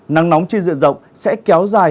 nắng nóng trên diện rộng sẽ kéo dài